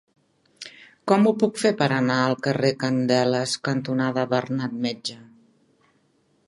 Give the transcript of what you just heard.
Com ho puc fer per anar al carrer Candeles cantonada Bernat Metge?